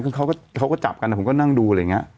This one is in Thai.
คือเขาก็จับกันผมก็นั่งดูอะไรอย่างนี้